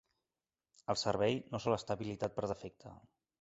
El servei no sol estar habilitat per defecte.